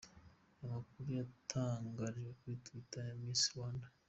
Aya makuru yatangarijwe kuri Twitter ya Miss Rwanda.